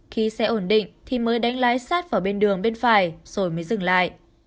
khi xe ổn định thì mới đánh lái sát vào bên đường bên phải rồi mới dừng lại